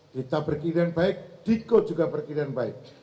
kita berkirian baik diko juga berkirian baik